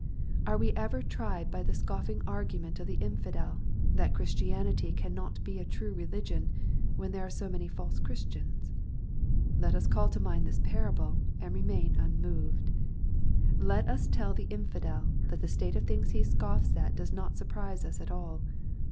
Are we ever tried by the scoffing argument of the infidel, that Christianity can not be a true religion, when there are so many false Christians ? Let us call to mind this parable, and remain unmoved. Let us teU the infidel, that the state of things he scoffs at does not sur prise us at all.